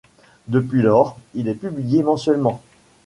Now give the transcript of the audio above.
Depuis lors, il est publié mensuellement.